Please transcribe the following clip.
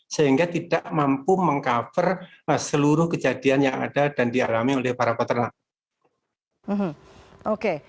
sehingga tidak mampu meng cover seluruh kejadian yang ada dan dialami oleh para peternak